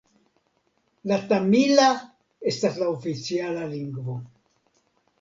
La tamila estas la oficiala lingvo.